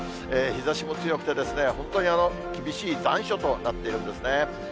日ざしも強くて、本当に厳しい残暑となっているんですね。